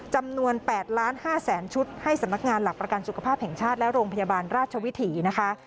จำนวน๘๕๐๐๐ชุดให้สำนักงานหลักประกันสุขภาพแห่งชาติและโรงพยาบาลราชวิถีนะคะ